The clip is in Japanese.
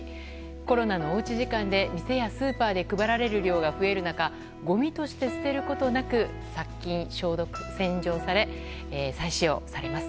コロナのおうち時間で、店やスーパーで配られる量が増える中ごみとして捨てることなく殺菌・洗浄され再使用されます。